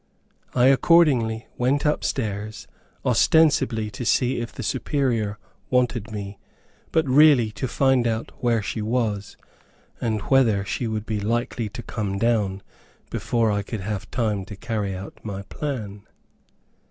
I accordingly went up stairs, ostensibly, to see if the Superior wanted me, but really, to find out where she was, and whether she would be likely to come down, before I could have time to carry out my plan.